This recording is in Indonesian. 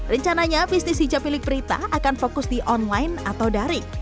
rencananya bisnis hijab milik prita akan fokus di online atau daring